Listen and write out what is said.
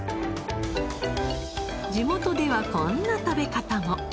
地元ではこんな食べ方も。